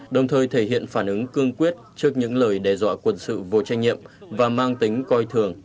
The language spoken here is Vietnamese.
đồng thời thể hiện phản ứng cương quyết trước những lời đe dọa quân sự vô trách nhiệm và mang tính coi thường